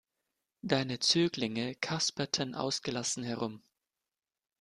Deine Zöglinge kasperten ausgelassen herum.